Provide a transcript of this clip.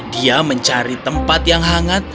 dia mencari tempat yang hangat